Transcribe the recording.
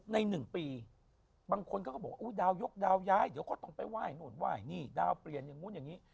หนึ่งปีบางคนเขาก็บอกว่าดาวยกดาวย้ายเดี๋ยวก็ต้องไปไหว้นู่นไหว้นี่ดาวเปลี่ยนอย่างนู้นอย่างนี้